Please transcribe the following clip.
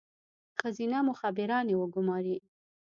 ښځینه مخبرانې وګوماري.